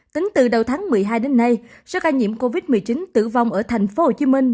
tính từ đầu tháng một mươi hai đến nay số ca nhiễm covid một mươi chín tử vong ở thành phố hồ chí minh